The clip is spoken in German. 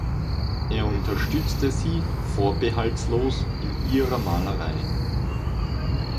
Er unterstützte sie vorbehaltlos in ihrer Malerei.